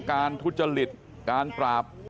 ทุจริตการปราบ